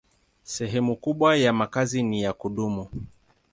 Sehemu kubwa ya makazi ni ya kudumu.